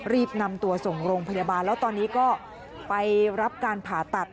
รีบนำตัวส่งโรงพยาบาลแล้วตอนนี้ก็ไปรับการผ่าตัด